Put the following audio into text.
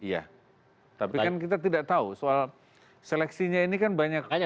iya tapi kan kita tidak tahu soal seleksinya ini kan banyak